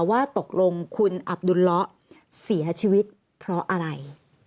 ว่าตกลงคุณอับดุลเลาะเสียชีวิตเพราะอะไร